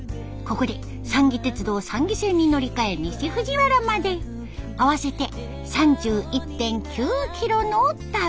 ここで三岐鉄道三岐線に乗り換え西藤原まで合わせて３１．９キロの旅。